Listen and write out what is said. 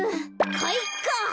かいか！